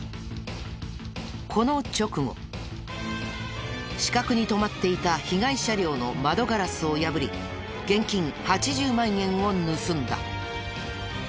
この直後死角に止まっていた被害車両の窓ガラスをやぶり現金８０万円を盗んだ。